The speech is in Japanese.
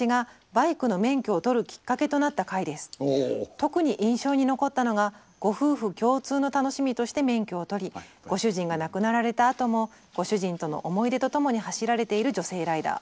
「特に印象に残ったのがご夫婦共通の楽しみとして免許を取りご主人が亡くなられたあともご主人との思い出とともに走られている女性ライダー。